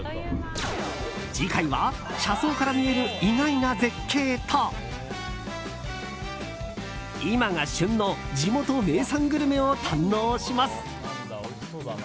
次回は車窓から見える意外な絶景と今が旬の地元名産グルメを堪能します。